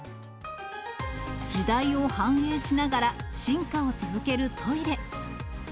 時代を反映しながら、進化を続けるトイレ。